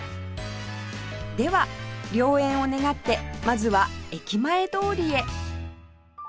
では良縁を願ってまずは駅前通りへ